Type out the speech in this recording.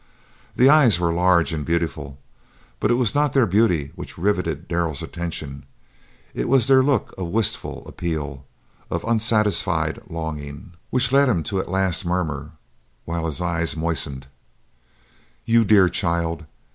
The eyes were large and beautiful, but it was not their beauty which riveted Darrell's attention; it was their look of wistful appeal, of unsatisfied longing, which led him at last to murmur, while his eyes moistened, "You dear child!